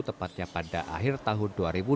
tepatnya pada akhir tahun dua ribu dua puluh